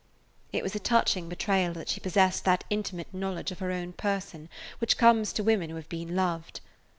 It was a touching betrayal that she possessed that intimate knowledge of her own person which comes to women who have been loved.